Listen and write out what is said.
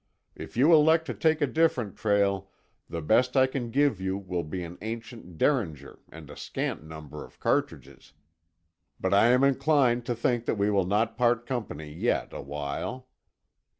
If you elect to take a different trail, the best I can give you will be an ancient derringer and a scant number of cartridges. But I am inclined to think we will not part company, yet a while."